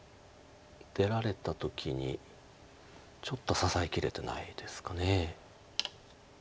出られた時にちょっと支えきれてないですか。